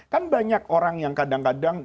kan banyak orang yang kadang kadang